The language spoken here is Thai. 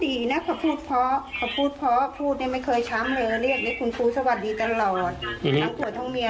ก็ดีนะเขาพูดพอพูดพอพูดไม่เคยช้ำเลยเรียกได้คุณครูสวัสดีตลอดหลังครัวทั้งเมีย